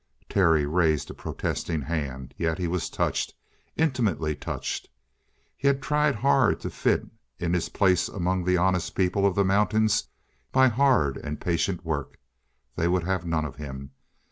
Terry raised a protesting hand. Yet he was touched intimately touched. He had tried hard to fit in his place among the honest people of the mountains by hard and patient work. They would have none of him.